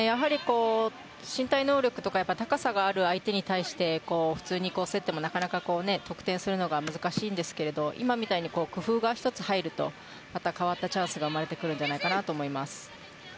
身体能力とか高さがある相手に対して普通に競っても、なかなか得点するのが難しいんですけど今みたいに工夫が１つ入るとまた変わったチャンスが生まれてくるんじゃないかなと思います。